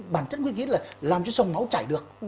bản chất nguyên khí là làm cho sông máu chảy được